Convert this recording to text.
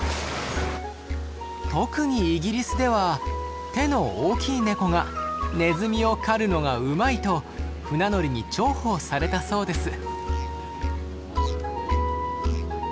特にイギリスでは手の大きいネコがネズミを狩るのがうまいと船乗りに重宝されたそうです。